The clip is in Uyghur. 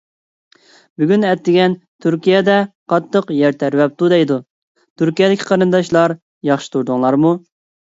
بۈگۈن ئەتىگەن تۈركىيەدە قاتتىق يەر تەۋرەپتۇ، دەيدۇ. تۈركىيەدىكى قېرىنداشلار، ياخشى تۇردۇڭلارمۇ؟